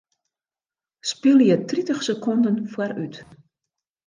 Spylje tritich sekonden foarút.